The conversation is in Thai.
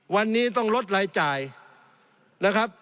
วันนี้ต้องลดรายจ่ายนะครับ